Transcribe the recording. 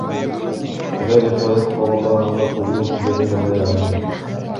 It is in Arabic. كذلك يطبع الله على قلوب الذين لا يعلمون